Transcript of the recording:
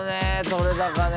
撮れ高ね。